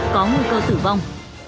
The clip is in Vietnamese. có nguy cơ tử vong